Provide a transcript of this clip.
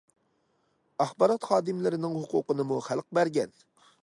ئاخبارات خادىملىرىنىڭ ھوقۇقىنىمۇ خەلق بەرگەن.